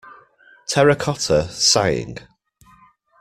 Terracotta sighing.